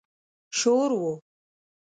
شور و.